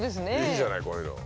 いいじゃないこういうの。